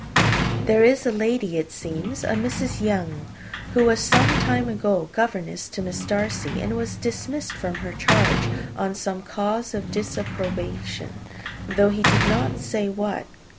There is a lady, it seems, a Mrs. Younge, who was some time ago governess to Miss Darcy, and was dismissed from her charge on some cause of disapprobation, though he did not say what.